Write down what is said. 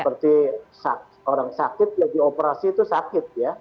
seperti orang sakit lagi operasi itu sakit ya